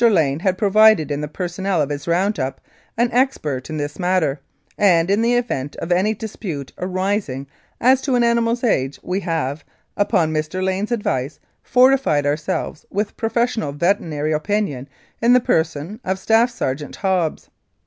Lane had pro vided in the personnel of his round up an expert in this matter, and, in the event of any dispute arising as to an animal's age, we have, upon Mr. Lane's advice, fortified ourselves with professional veterinary opinion in the person of Staff Sergeant Hobbs.